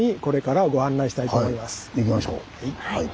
はい。